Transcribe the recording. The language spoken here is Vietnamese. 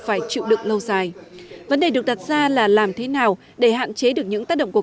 phải chịu đựng lâu dài vấn đề được đặt ra là làm thế nào để hạn chế được những tác động của